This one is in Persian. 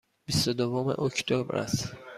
بیست و دوم اکتبر است.